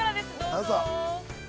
どうぞ。